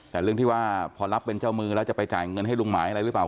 แต่เรื่องที่ว่าพอรับเป็นเจ้ามือแล้วจะไปจ่ายเงินให้ลุงหมายอะไรหรือเปล่า